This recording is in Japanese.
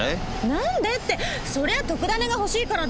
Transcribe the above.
なんでってそりゃ特ダネがほしいからですよ。